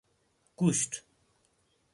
گوشت